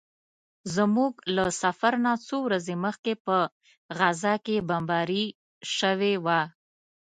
زموږ له سفر نه څو ورځې مخکې په غزه کې بمباري شوې وه.